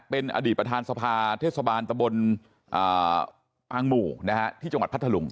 เป็นอดีตประธานสภาเทศบาลตะบนปางหมู่ที่จังหวัดพัทธลุง